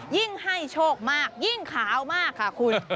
ยิ่งให้โชคมากยิ่งขาวมากค่ะคุณ